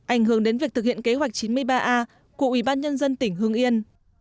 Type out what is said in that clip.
ảnh hưởng đến việc thực hiện kế hoạch chín mươi ba a của ủy ban nhân dân tỉnh hưng yên